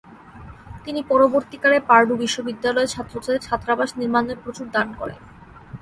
তিনি পরবর্তী কালে পার্ডু বিশ্ববিদ্যালয়ের ছাত্রদের ছাত্রাবাস নির্মাণে প্রচুর দান করেন।